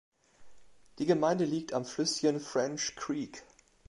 Die Gemeinde liegt am Flüsschen French Creek.